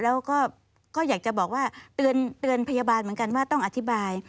แล้วก็อยากจะบอกว่าเตือนพยาบาลเหมือนกันว่าต้องอธิบาย